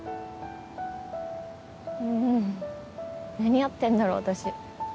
うん何やってんだろ私